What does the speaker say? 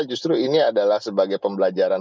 justru ini adalah sebagai pembelajaran